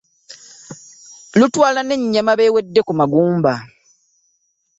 Lutwala n'enyammma b'ewedde ku magumba .